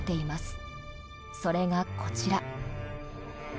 それがこちら。